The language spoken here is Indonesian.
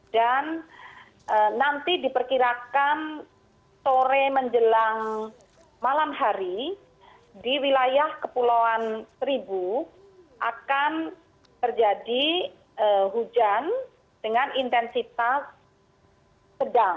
dan nanti diperkirakan sore menjelang malam hari di wilayah kepulauan seribu akan terjadi hujan dengan intensitas sedang